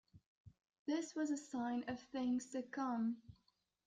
This was a sign of things to come.